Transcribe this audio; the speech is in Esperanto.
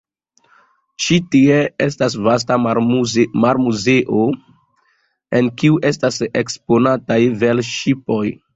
Ĉi tie estas vasta marmuzeo, en kiu estas eksponataj velŝipoj.